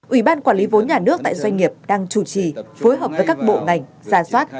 ủy ban quản lý vốn nhà nước tại doanh nghiệp đang chủ trì phối hợp với các bộ ngành giả soát